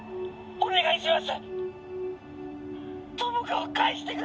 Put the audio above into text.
お願いします！